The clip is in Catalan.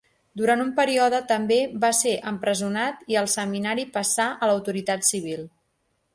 Durant un període també va ser empresonat i el seminari passà a l'autoritat civil.